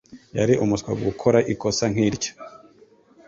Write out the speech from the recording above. Yari umuswa gukora ikosa nkiryo.